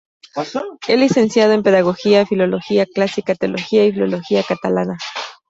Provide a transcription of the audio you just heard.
Es licenciado en pedagogía, filología clásica, teología y filología catalana.